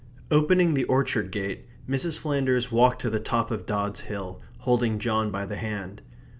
Opening the orchard gate, Mrs. Flanders walked to the top of Dods Hill, holding John by the hand.